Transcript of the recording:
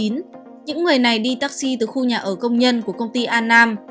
những người này đi taxi từ khu nhà ở công nhân của công ty an nam